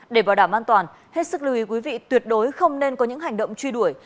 để bảo đảm an toàn hết sức lưu ý quý vị tuyệt đối không nên có những hành động truy đuổi